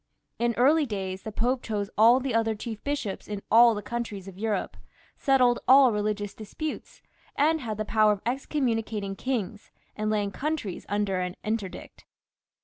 In early days the Pope chose all the other chief bishops in all the countries of Europe, settled all religious disputes, and had the power of excommunicating kings and laying countries under an interdict.